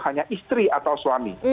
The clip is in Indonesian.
hanya istri atau suami